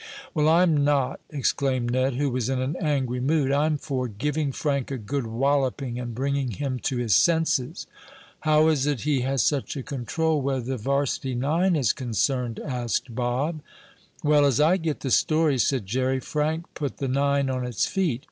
"Well, I'm not!" exclaimed Ned, who was in an angry mood. "I'm for giving Frank a good walloping, and bringing him to his senses." "How is it he has such a control where the varsity nine is concerned?" asked Bob. "Well, as I get the story," said Jerry, "Frank put the nine on its feet.